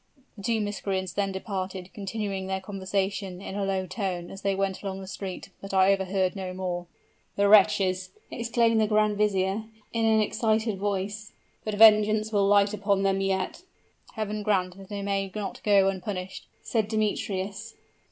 The two miscreants then departed, continuing their conversation in a low tone as they went along the street, but I overheard no more." "The wretches!" exclaimed the grand vizier, in an excited voice. "But vengeance will light upon them yet!" "Heaven grant that they may not go unpunished!" said Demetrius.